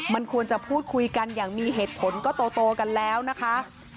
มันควรจะพูดคุยกันอย่างมีเหตุผลก็โตกันแล้วนะคะ